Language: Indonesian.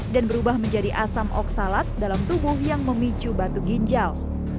dan berubah menjadi asam oksalat dalam tubuh yang memicu batu ginjal